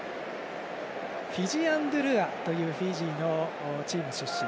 フィジアン・ドゥルアというフィジーのチーム出身。